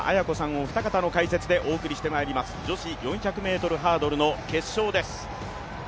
お二方の解説でお送りしてまいります女子４００ｍハードルの決勝です。